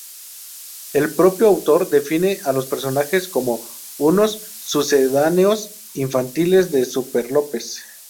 El propio autor define a los personajes como "unos sucedáneos infantiles de Superlópez".